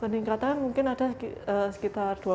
peningkatan mungkin ada sekitar dua puluh